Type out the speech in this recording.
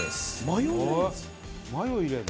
マヨ入れるの？